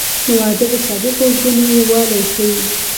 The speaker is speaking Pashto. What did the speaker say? • واده د صادقو زړونو یووالی ښیي.